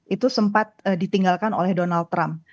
itu sempat ditinggalkan oleh donald trump